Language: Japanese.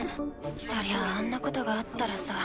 そりゃあんなことがあったらさ。